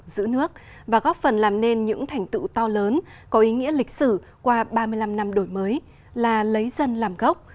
giữ nước và góp phần làm nên những thành tựu to lớn có ý nghĩa lịch sử qua ba mươi năm năm đổi mới là lấy dân làm gốc